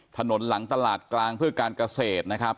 ถนนหลังตลาดกลางเพื่อการเกษตรนะครับ